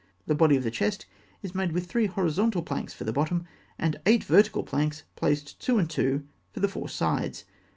The body of the chest is made with three horizontal planks for the bottom, and eight vertical planks, placed two and two, for the four sides.